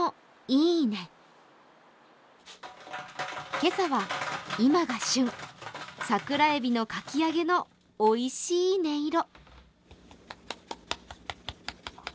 今朝は今が旬、桜えびのかき揚げのおいしい音色。